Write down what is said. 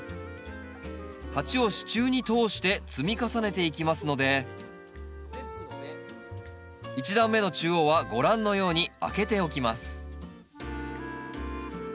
鉢を支柱に通して積み重ねていきますので１段目の中央はご覧のように空けておきます